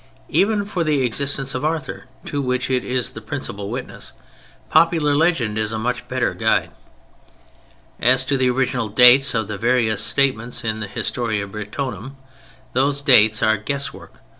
Even for the existence of Arthur—to which it is the principal witness—popular legend is a much better guide. As to the original dates of the various statements in the Historia Brittonum, those dates are guesswork.